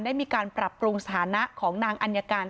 ได้มีการปรับปรุงสถานะของนางอัญญาการ